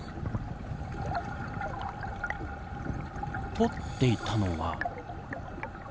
撮っていたのは。